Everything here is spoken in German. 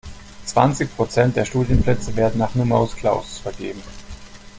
Zwanzig Prozent der Studienplätze werden nach Numerus Clausus vergeben.